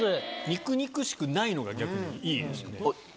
肉々しくないのが逆にいいですよね。